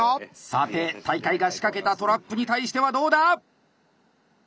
さて大会が仕掛けたトラップに対してはどうだ！